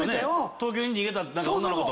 東京に逃げたって何か女の子と。